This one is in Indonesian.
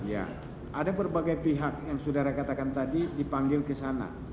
ya ada berbagai pihak yang saudara katakan tadi dipanggil ke sana